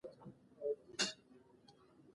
د ډیجیټل اقتصاد د ودی لپاره ځوانان کار کوي.